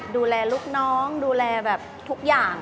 ดูแลลูกน้องดูแลแบบทุกอย่าง